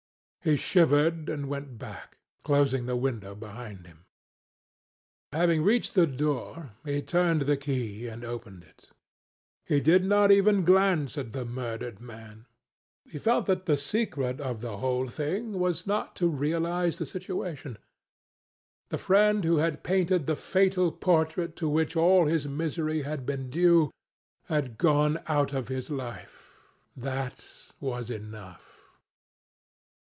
He shivered and went back, closing the window behind him. Having reached the door, he turned the key and opened it. He did not even glance at the murdered man. He felt that the secret of the whole thing was not to realize the situation. The friend who had painted the fatal portrait to which all his misery had been due had gone out of his life. That was enough.